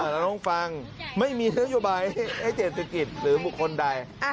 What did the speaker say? เราต้องฟังไม่มีนโยบายให้เศรษฐกิจหรือบุคคลใด